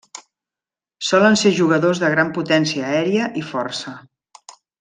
Solen ser jugadors de gran potència aèria i força.